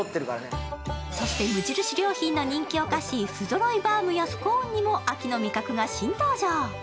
そして、無印良品の人気お菓子、不揃いバウムやスコーンにも秋の味覚が新登場。